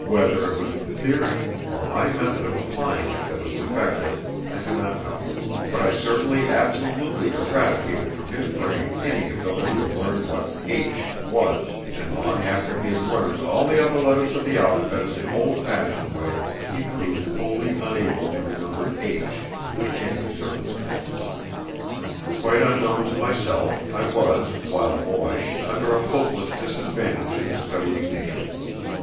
Whether it was the theory or my method of applying it that was defective I do not know, but I certainly absolutely eradicated from his brain any ability to learn what "H" was; and long after he had learned all the other letters of the alphabet in the old fashioned way, he proved wholly unable to remember "H" under any circumstances. Quite unknown to myself, I was, while a boy, under a hopeless disadvantage in studying nature.